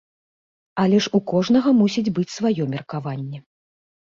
Але ж у кожнага мусіць быць сваё меркаванне.